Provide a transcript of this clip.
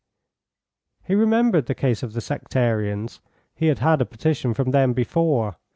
He remembered the case of the sectarians; he had had a petition from them before.